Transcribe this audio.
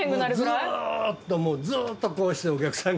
ずーっともうずーっとこうしてお客さんが。